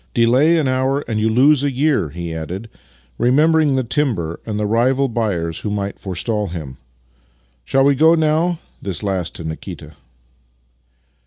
Delay an hour, and you lose a year," he added, remembering the timber and the rival buyers who might forestall him, " Shall v/e go now? " (this last to Nikita).